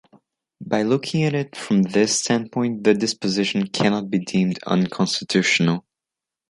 By looking at it from this standpoint, the disposition cannot be deemed unconstitutional.